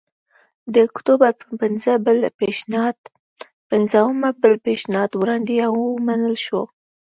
د اکتوبر په پنځمه بل پېشنهاد وړاندې او ومنل شو